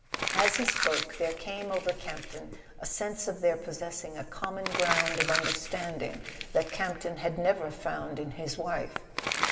As he spoke, there came over Campton a sense of their possessing a common ground of understanding that Campton had never found in his wife.